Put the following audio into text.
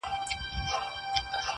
د طالع ستوری یې پټ دی بخت یې تور دی-